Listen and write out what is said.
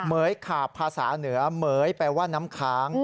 เหยขาบภาษาเหนือเหม๋ยแปลว่าน้ำค้าง